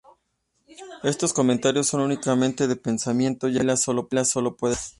Estos comentarios son únicamente de pensamiento, ya que Atila solo puede ladrar.